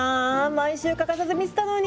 毎週欠かさず見てたのに。